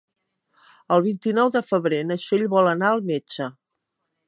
El vint-i-nou de febrer na Txell vol anar al metge.